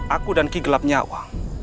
aku dan ki gelap nyawa